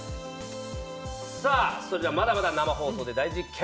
それではまだまだ生放送で大実験。